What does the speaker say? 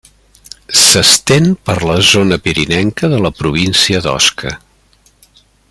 S'estén per la zona pirinenca de la província d'Osca.